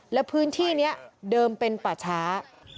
และพื้นที่นี้เดิมเป็นป่าช้า